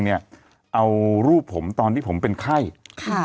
เนี่ยเอารูปผมตอนที่ผมเป็นไข้ค่ะ